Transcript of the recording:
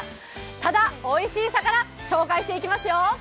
ただおいしい魚紹介していきますよ。